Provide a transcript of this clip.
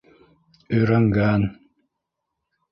Өйрәнгән.